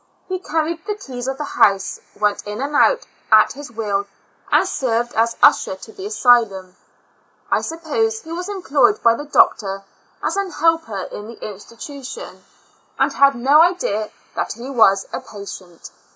He carried the keys of the house, went in and out at his will, and served as usher to the asylum. I supposed he was employed by the doctor as an helper in the institution, and had no idea that he was a patient.